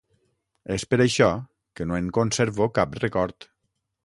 És per això que no en conservo cap record.